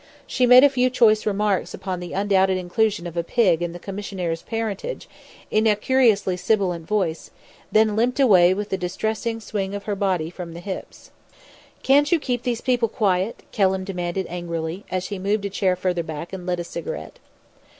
She made a few choice remarks upon the undoubted inclusion of a pig in the commissionaire's parentage, in a curiously sibilant voice, then limped away with a distressing swing of her body from the hips. "Can't you keep those people quiet?" Kelham demanded angrily, as he moved a chair further back, and lit a cigarette.